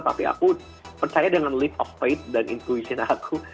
tapi aku percaya dengan lift of faith dan intuition aku